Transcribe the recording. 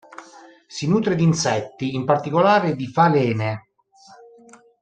Si nutre di insetti, in particolare di falene.